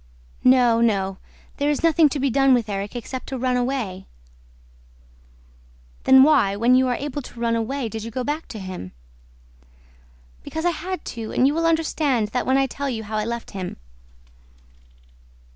"No, no! There is nothing to be done with Erik except to run away!" "Then why, when you were able to run away, did you go back to him?" "Because I had to. And you will understand that when I tell you how I left him."